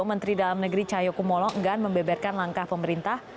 menteri dalam negeri cahayokumolo enggak membeberkan langkah pemerintah